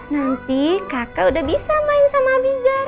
nanti kakak udah bisa main sama abiza